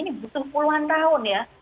ini butuh puluhan tahun ya